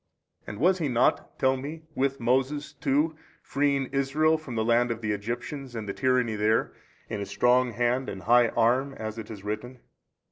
A. And was He not (tell me) with Moses too freeing Israel from the land of the Egyptians and the tyranny there, in a strong hand and a high arm, as it is written?